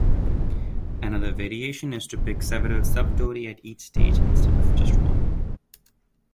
Another variation is to pick several subtori at each stage instead of just one.